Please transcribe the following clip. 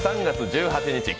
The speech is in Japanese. ３月１８日